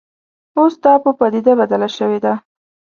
اوس دا په پدیده بدله شوې ده